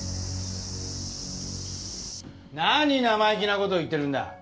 何生意気な事を言ってるんだ。